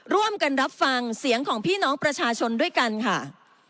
ร่วมกันรับฟังเสียงของพี่น้องประชาชนด้วยกันค่ะ